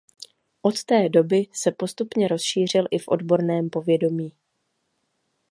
Od té doby se postupně rozšířil i v odborném povědomí.